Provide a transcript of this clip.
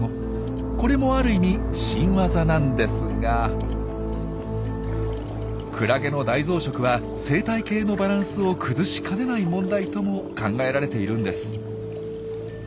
これもある意味新ワザなんですがクラゲの大増殖は生態系のバランスを崩しかねない問題とも考えられているんです。